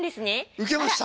受けました。